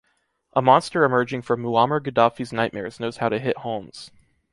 A monster emerging from Muammar Gaddafi's nightmares knows how to hit homes.